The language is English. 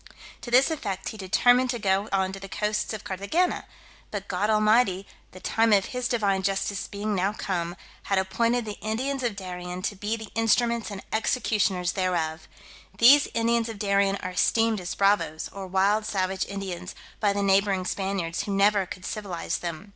To this effect he determined to go on to the coasts of Carthagena; but God Almighty, the time of His Divine justice being now come, had appointed the Indians of Darien to be the instruments and executioners thereof. These Indians of Darien are esteemed as bravoes, or wild savage Indians, by the neighbouring Spaniards, who never could civilize them.